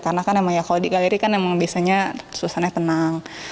karena kan emang ya kalau di galeri kan emang biasanya suasananya tenang